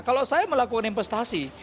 kalau saya melakukan investasi